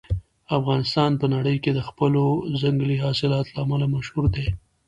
افغانستان په نړۍ کې د خپلو ځنګلي حاصلاتو له امله مشهور دی.